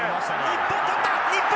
日本捕った！